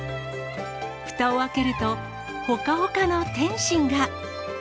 ふたを開けると、ほかほかの点心が。